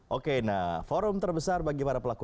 oke nah forum terbesar bagi para pelaku